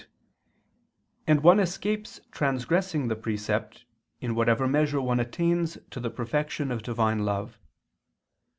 XXXVI]), and one escapes transgressing the precept, in whatever measure one attains to the perfection of Divine love.